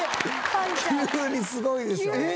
急にすごいでしょ。